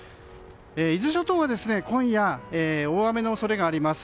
伊豆諸島は今夜大雨の恐れがあります。